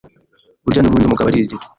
burya nubundi umugabo arigira